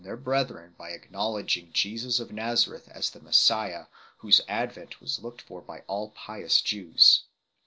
15 their brethren by acknowledging Jesus of Nazareth as the Messiah whose advent was looked for by all pious Jews.